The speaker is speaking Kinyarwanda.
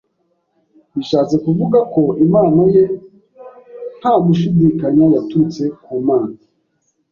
bishatse kuvuga ko impano ye nta gushidikanya yaturutse ku Mana